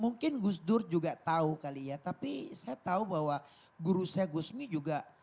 mungkin gus dur juga tahu kali ya tapi saya tahu bahwa guru saya gusmi juga